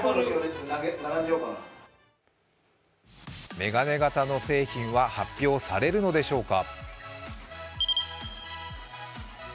眼鏡型の製品は発表されるのでしょうか。